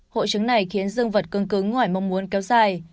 hội chứng này khiến dương vật cương cứng ngoài mong muốn kéo dài